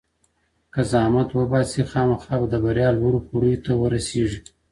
که زحمت وباسي خامخا به د بريا لوړو پوړيو ته ورسېږي.